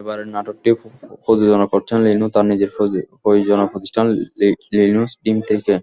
এবারের নাটকটিও প্রযোজনা করছেন লিনু তাঁর নিজের প্রযোজনা প্রতিষ্ঠান লিনুস ড্রিম থেকে।